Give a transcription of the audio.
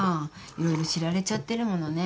色々知られちゃってるものね。